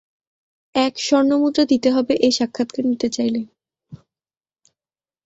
এক স্বর্ণমুদ্রা দিতে হবে এই সাক্ষাৎকার নিতে চাইলে।